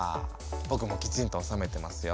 ぼくもきちんと納めてますよ。